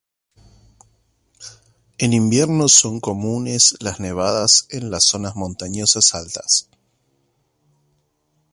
En invierno son comunes las nevadas en las zonas montañosas altas.